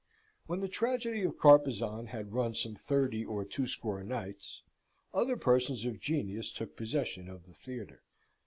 When the tragedy of Carpezan had run some thirty or twoscore nights, other persons of genius took possession of the theatre.